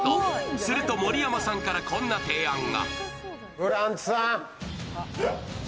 すると盛山さんからこんな提案が。